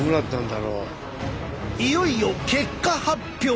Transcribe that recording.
いよいよ結果発表。